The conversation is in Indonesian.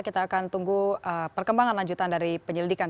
kita akan tunggu perkembangan lanjutan dari penyelidikan